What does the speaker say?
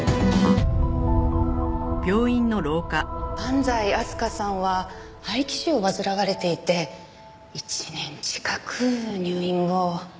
安西明日香さんは肺気腫を患われていて１年近く入院を。